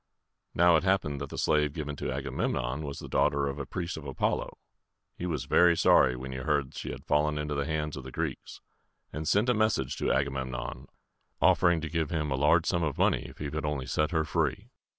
Now, it happened that the slave given to Agamemnon was the daughter of a priest of A pol´lo. He was very sorry when he heard she had fallen into the hands of the Greeks, and sent a message to Agamemnon, offering to give him a large sum of money if he would only set her free.